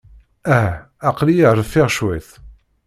Ah, aql-iyi rfiɣ cwiṭ!